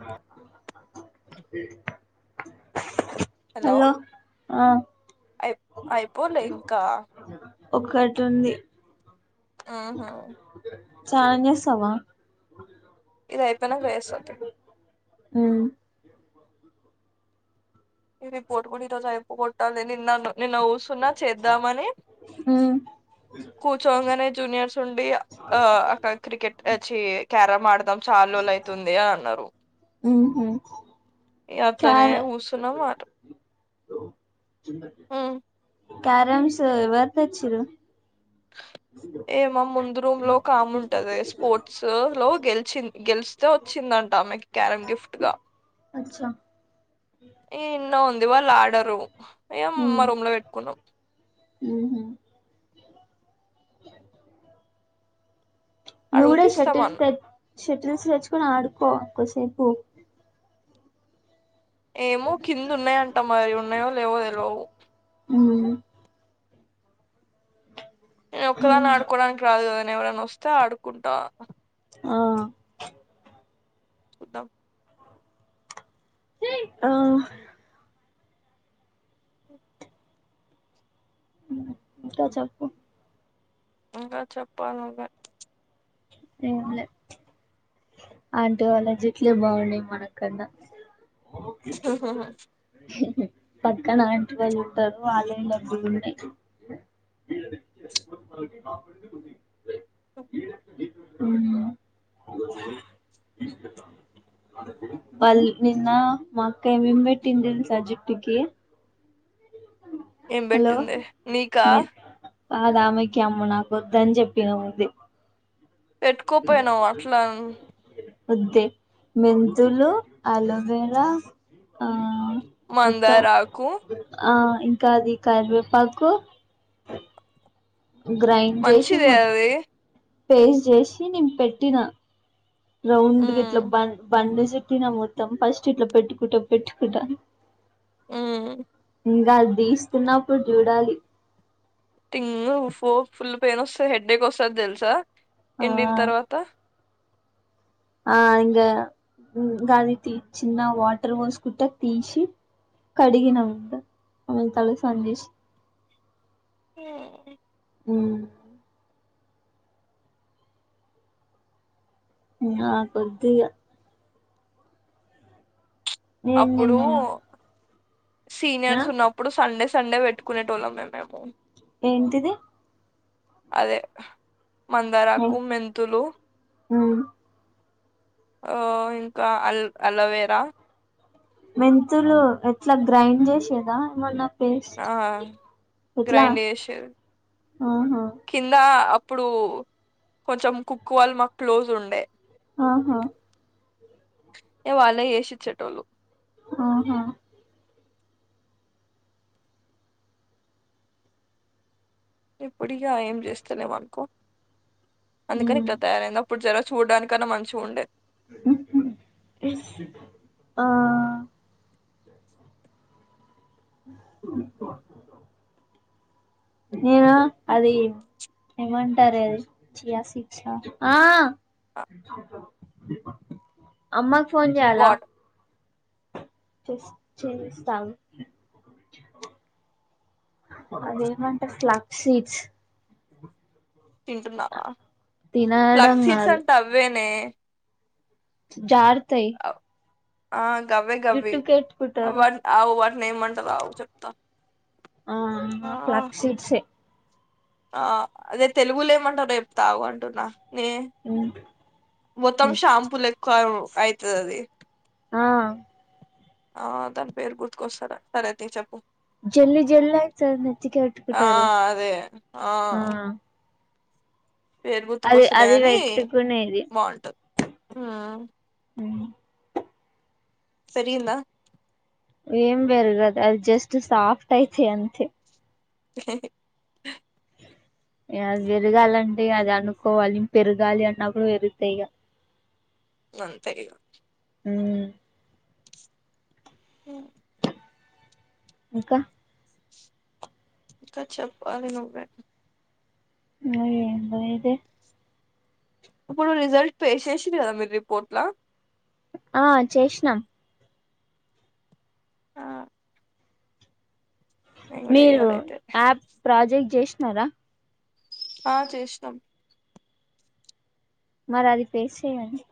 నేను label voice hello ఆ అయి అయిపోలే ఇంకా ఒకటుంది ఆహా ఛాం జేస్తావా ఇది అయిపోనాక జేస్తా తీ ఉమ్ ఈ రిపోర్ట్ గూడ ఈరోజు ఐపోగొట్టాలే నిన్నను నిన్న ఊసున్నా చేద్దామని ఉమ్ కూర్చోంగానే జూనియర్స్ చుండి ఆ అక్క క్రికెట్ అచ్చి క్యారం ఆడదాం చాలా రోజులైతుంది అన్నరు [unintelligible] ఈ అట్లనే క్యార గూసున్నాం అటు ఆ క్యారమ్స్ ఎవరు తెచ్చిర్రు ఏ మా ముందు రూం లో ఒకాముంటది స్పోర్ట్స్ లో గెల్చిన్ గెలిస్తే వచ్చిందన్ టామెకి క్యారం గిఫ్ట్ గా అచ్చా ఏ న్నో ఉన్ ది వాళ్ళు ఆడరు ఏం మా ఉమ్ రూమ్ లో పెట్టుకున్నాం అ నువ్ గూడ అడుగుతే షెటిల్స్ ఇస్తామన్న పెట్ షెటిల్స్ తెచ్చుకొని ఆడుకో కోసేపు ఏమో కిందున్నాయంట మరి ఉన్నాయో లేవో తెల్వవు ఊ నేను ఒక్కదాని ఆడుకోవడానికి రాదు కదా నే ఎవరైనొస్తే ఆడుకుంటా ఆ చూద్దాం ఆ ఇంకా చప్పు ఇంకా చప్పాల్ నువ్వే ఏం లే అంటే వాళ్ళ జెట్లే బావున్నాయ్ మనకన్నా క పక్కన ఆంటీ వాళ్ళు ఉంటారు [inaudible] ఇప్పు కాపింది ఓ ఊ వల్ నిన్న మా అక్క ఏమేం బెట్టింద్ తెల్సా జుట్టుకి ఏం బెట్టింది నీకా కాదు అమెకి అమ్మో నాకు వద్దని చెప్పిన ముందే పెట్టుకోపోయినావు అట్లం ఒద్దే మెంతులు అలోవేరా ఆ ముత్తం మందారాకు ఆ ఇంకా అది కర్వేపాకు గ్రైండ్ జేషి మంచిదే మొత్ అది పేస్ట్ చేషి నేను పెట్టినా రౌండ్ గిట్లా ఉమ్ బన్ బండి సిట్టిన మొత్తం ఫస్ట్ ఇట్లా పెట్టుకుటా పెట్టుకుటా ఊ ఇంకా అది దీస్తున్నప్పుడు జూడాలి టింగ్ ఫో ఫుల్ పెయిన్ ఒస్తే హెడ్డేక్ వస్తాది దెల్సా ఎండిన ఆ తర్వాత ఆ ఇంగా గది తీ చిన్న వాటర్ పోసుకుంటా తీషి కడిగినం అంతా తలషానం జేషి ఊ ఉ ఉ నాకొద్దిగ నేను అప్పుడు నిన్న ఆ సీనియర్స్ ఉన్నప్పుడు సండేస్. సండే పెట్టుకునేటోల్లమే మేము. ఏంటిది అదే మందారకు, మెంతులు. మ్ ఆ ఇంకా అల్ అలోవేరా. మెంతులు ఎట్లా గ్రైండ్ చేసేదా ఏమన్నా? పేస్ట్ ఆ ఎట్లా గ్రైండ్ చేసేది ఆహా కింద అప్. ప్పుడు కొంచెం కుక్ వాళ్ళు మాకు క్లోజ్ ఉండే. ఆహా ఏ వాళ్ళే ఏసిచ్చేటోళ్లు. ఆహా ఇప్పుడిగా ఏం చేస్తలే మనుకో. అందుకని మ్ ఇట్లా తయారైంది. అప్పుడు జర చూడడానికన్నా మంచిగా ఉండే. ఆ ఉ ఏ [unintelligible] అది ఏమంటారే అది చియ సీడ్స్ అ ఆ అమ్మాకు ఫోన్ చెయ్యాల. వాట్ చేస్ చేస్తఆగు అదేమంటారు ఫ్లాక్ సీడ్స్. తింటున్నావా, తినడం ఫ్లక్సీట్స్ కాదు అంటే అవ్వేనే. జారుతాయి ఆ గవ్వే, గవ్వి జుట్టుకి ఆ ఎట్టుకుంటారు వాటిని అవ్ వాటిని ఏమంటారు ఆవు చెప్తా. ఆ ఫ్లాక్షిట్సే. ఆ అదే తెలుగులే ఏమంటారో చెప్తా, ఆగు అంటున్న. నే మొత్తం షాంపూలేక్క ఆవ్ అయితదది. ఆ ఆ దాని పేరు గుర్తుకొస్తాలే సరే తీ చెప్పు. జల్లి, జల్లి ఆయితంది నెత్తికే ఆ పెట్టుకుంటారు. అదే ఆ పేరు అది గుర్తుకొసలే అది గాని పెట్టుకునేది బాగుంటది. ఉ ఆ పేరిగిందా ఏం పెరగదు అది జస్ట్ సాఫ్ట్ అయితే అంతే. లే ఇయ పెరగాలంటే అది అనుకోవాలి, పెరగాలి అన్నప్పుడు పెరుగుతాయి ఇగ. అంతేఇగా ఉ ఆ ఇంకా ఇంకా చెప్పాలి నువ్వే నిన్న [unintelligible] దే ఇప్పుడు రిజల్ట్ పే చేసింది కదా మీ రిపోర్ట్లా. ఆ చేసినాం ఆ నేను కూడా మీరు చెయ్యాలి అయితే యాప్ ప్రాజెక్ట్ చేసినారా? ఆ చేసినం మరి అది [unintelligible] యండి.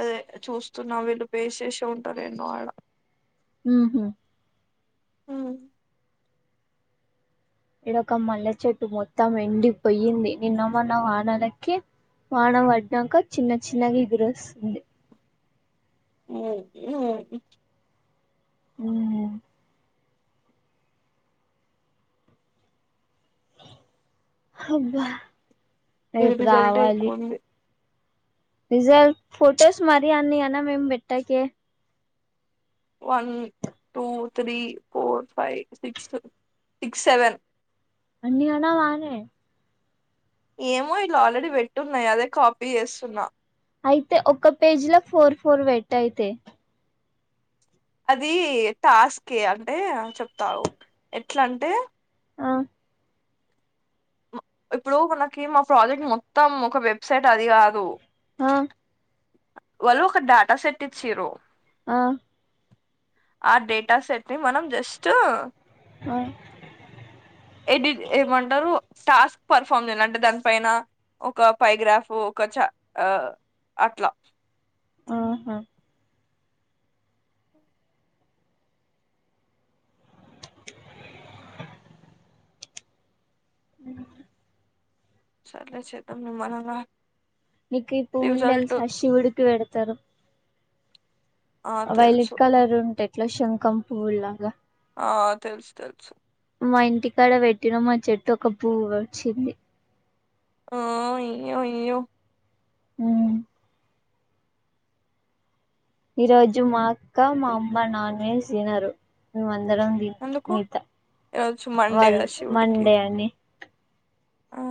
అదే చూస్తున్నా వీళ్ళు పేసేసి ఉంటారు ఎన్నో అడా. ఉహు ఉమ్, ఇడొ ఒక మల్లె చెట్టు మొత్తం ఎండిపోయింది నిన్నమన్నా వానలకి వానం పడ్నాక చిన్న చిన్నగా ఎదురుొస్తుంది అ ఆ అబ్బా ఇది రేపు రిజల్టే రావాలి ఎక్కువ ఉంది రజల్ట్ ఫొటోస్ మరి అన్న అనా మేం బట్టాక one two three four five six six seven అన్ని అలా మనే ఏమో ఇలా ఆల్రెడీ పెట్టున్నాయి అదే కాపీ చేస్తున్నా అయితే ఒ పేజీ లో ఫోర్ ఫోర్ పెట్యతే అది టాస్కే అంటే చెప్తావు ఎట్లా అంటే ఆ మ- ఇప్పుడు మనకి మా ప్రాజెక్ట్ మొత్తం ఒక వెబ్సైట్ అది కాదు ఆ వాళ్ళు ఒక డాటా సెట్ ఇచ్చ్ర ఆ ఆ డేటా సెట్ ని మనం జస్ట్ ఆ ఎ ఏమంటారు టాస్క్ పర్ఫార్మ్ చేయడి అంటే దాని పైన ఒక పరిగ్రాఫ్ ఒక చ అట్లా ఆహా అ సర్లే చేద్దాం నిమ్మళంగా ఎకు ఈ పూల శశివుడికి వెడుతారు ఆ వైలేట్ తెలుసు కలర్ ఉంటే ఎట్లు శంఖం పువ్వు లాగా ఆ తెలుసు తెలుసు మా ఇంటికాడ పెట్టిన మా చెట్టు ఒక పువ వచ్చింది ఆ ఇో ఇ్యో ఊ ఈ రోజు మా అక్క మా అమ్మ నాన్ వెజ్ తినరు మమ అందరం ఎందుకు మిగత ఈరోజు మండే వాళ్ళు కదా శివుడికి మండే అని ఆ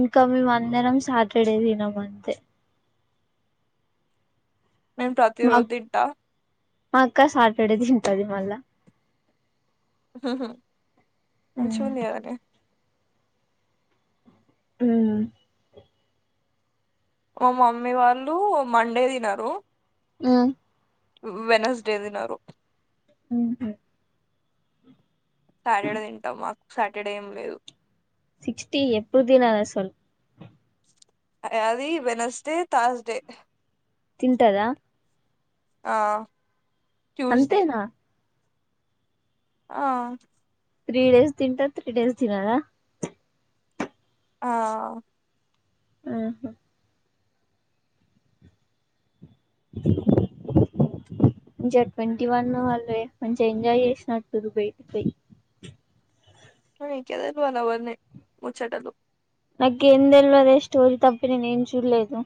ఇంకా మేమందరం సాటర్డే తినం అంతే నేను మా ప్రతిరోజ్ తింట మా అక్క సాటర్డే తింటది మళ్ళా అషమందిదనే ఊ మా మమ్మీ వాళ్ళు మండే తినారు ఊ వెనస్డే తినారు ఉ సాటర్డే తింటాం మాకు సాటర్డే ఏం లేదు సక్స్టీ ఎప్పుడుదినాద సల్ అది వెనస్డే తాస్డే తింటదా ఆ ట్యూస్డే అంతేనా ఆ త్రీ డేస్ తింటా త్రీ డేస్ తినార ఆ ఆహా ఇంచ ట్వంటీ వన్ వాళ్ళే మంచిగా ఎంజాయ్ చేసినట్ రు పే పే కేదలు అలావన్న ముచ్చటలు నాకు ఎంద తెల్వ అదే స్టోరీ తప్పి నేను ఏం చూడలేదు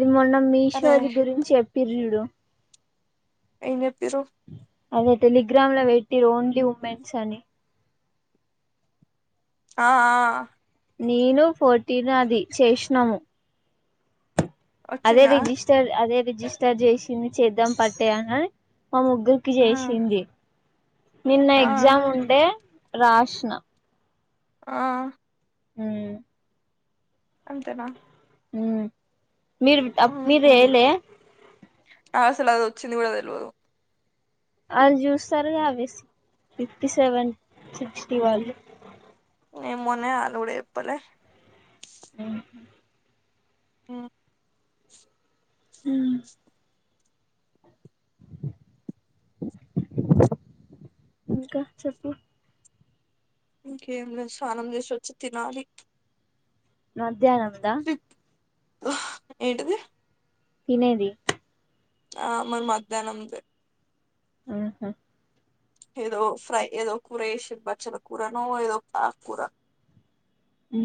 ఇది మొన్న అరే మీషోది గురించి చెప్పిర్ చూడు ఏం చెప్పిర్ అదే టెలిగ్రామ్ లో పెట్టి ఓన్లీ ఉమెన్స్ అని ఆ ఆ నేను పోటీని అది చేసినాము అదే వచ్చిందా రిజిస్టర్ అదే రిజిస్టర్ చేసింది చేద్దాం పట్టేనా మా ముగ్గురికి ఆ చేసింది నిన్న ఆ ఎగ్జామ్ ఉంటే రాష్నా ఆ హమ్ అంతేనా మీరు మీరు ఊహూ చేయలే అసలు అది వచ్చింది కూడా తెలవదు వాళ్ళు చూస్తారు కాబేసి ఫిఫ్టీ సెవెన్ సిక్స్టీ వాళ్ళు ఏ మనే ఆలుడప్పలే ఆఓ అ ఇంకా చెప్పు ఇంకేంలే స్నానం చేసిొచ్చి తినాలి మధ్యాహ్నంందా ఏంటిది తినేది ఆ మరి మధ్యాహ్నంంది ఆహా ఏదో ఫ్రై ఏదో కూర ఏషి బాచల కూరనుో ఏదో ఆకూర ఊ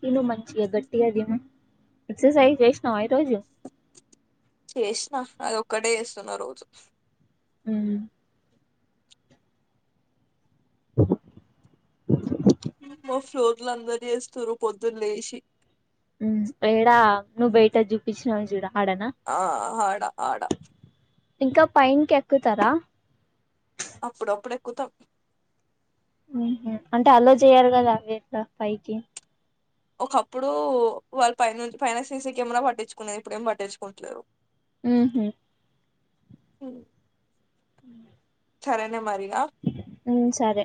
తను మంచించిియా గట్టిగాదిమ ఎక్సర్సైజ వష్ చేసిన అది ఒక్కటే వస్తున్న రోజు ఊ ఇలు అందరు చేస్తారు పొద్దున్న లేచి ఏడా నువ్ బయట చూపించినవని చూడ ఆ ఆడా ఆడా ఇంకా పైన్కి ఎక్కుతారా అప్పుడప్పుడ ఎక్కుతాం అంటే అలో చేయారు కదా అవిట్లా పైకి ఒకప్పుడు వాళ్ళ పైైన నుంచి పైన సీసీ కెమెరా పట్టించుకునే ఇప్పుడు ఏం పట్టించుకుంటలేరు ఊ హు అ చరేనే మరి అ సరే